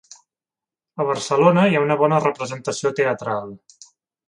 A Barcelona hi ha una bona representació teatral.